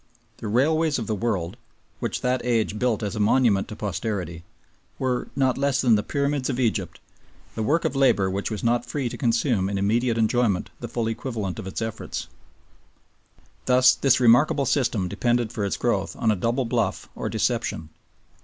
The railways of the world, which that age built as a monument to posterity, were, not less than the Pyramids of Egypt, the work of labor which was not free to consume in immediate enjoyment the full equivalent of its efforts. Thus this remarkable system depended for its growth on a double bluff or deception.